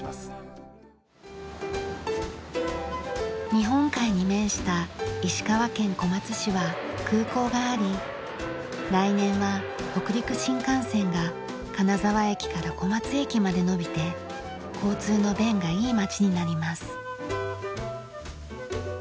日本海に面した石川県小松市は空港があり来年は北陸新幹線が金沢駅から小松駅まで延びて交通の便がいい街になります。